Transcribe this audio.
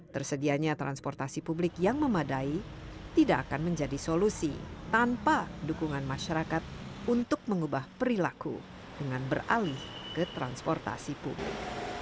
tersedianya transportasi publik yang memadai tidak akan menjadi solusi tanpa dukungan masyarakat untuk mengubah perilaku dengan beralih ke transportasi publik